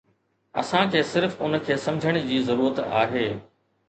اسان کي صرف ان کي سمجهڻ جي ضرورت آهي